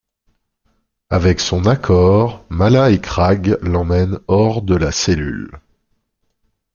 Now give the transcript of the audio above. Avec son accord, Mala et Crag l'emmènent hors de la cellule.